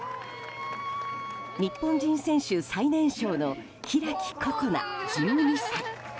日本人選手最年少の開心那、１２歳。